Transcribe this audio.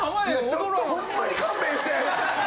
いやちょっとホンマに勘弁して。